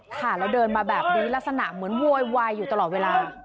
ค่ะแล้วเดินมาแบบนี้ลักษณะเหมือนโวยวายอยู่ตลอดเวลา